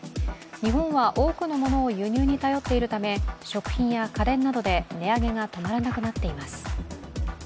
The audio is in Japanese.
日本は多くのものを輸入に頼っているため食品や家電などで値上げが止まらなくなっています。